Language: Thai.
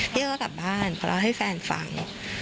โยก็กลับบ้านเพราะเล่าให้แฟนฟัง